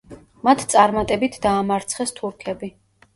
მათ წარმატებით დაამარცხეს თურქები.